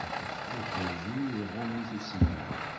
Iṭij-iw, iɣumm-it usigna.